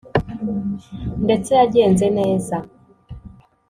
ndetse yagenze neza